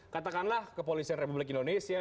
katakanlah kepolisian republik indonesia